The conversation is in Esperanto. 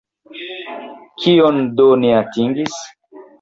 Kion do ni atingis?